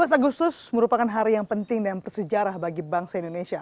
tujuh belas agustus merupakan hari yang penting dan bersejarah bagi bangsa indonesia